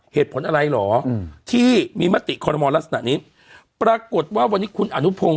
เหตุผลอะไรเหรออืมที่มีมติคอรมอลลักษณะนี้ปรากฏว่าวันนี้คุณอนุพงศ